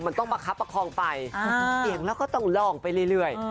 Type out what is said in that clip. มันต้องประคับประคองไฟเสียงแล้วก็ต้องล่องไปเรื่อย